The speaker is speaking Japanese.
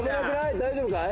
大丈夫かい？